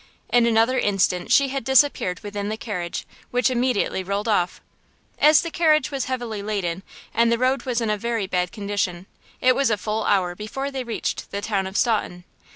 In another instant she had disappeared within the carriage, which immediately rolled off. As the carriage was heavily laden, and the road was in a very bad condition, it was a full hour before they reached the town of Staunton.